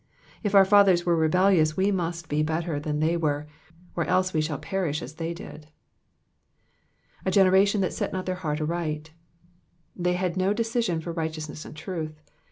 If oar fathers were rebellious we must be better than they were, or else we shall perish as they did. 4 generation that set not their heart aright,'*'* They had no decision for righteousness and truth.